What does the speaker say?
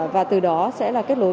và từ đó sẽ là kết nối